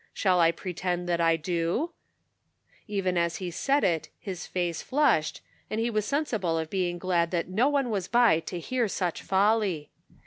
Shall I pretend that I do ?" Even as he said it, his face flushed, and he was sensible of being glad that no one was by to hear such folly.